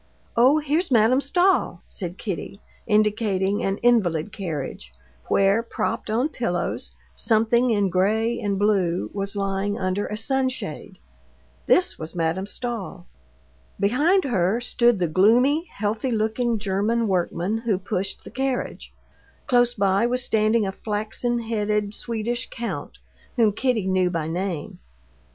"Oh, here's Madame Stahl," said Kitty, indicating an invalid carriage, where, propped on pillows, something in gray and blue was lying under a sunshade. This was Madame Stahl. Behind her stood the gloomy, healthy looking German workman who pushed the carriage. Close by was standing a flaxen headed Swedish count, whom Kitty knew by name.